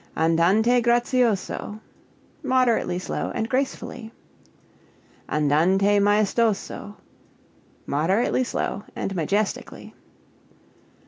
Andante grazioso moderately slow, and gracefully. Andante maestoso moderately slow, and majestically.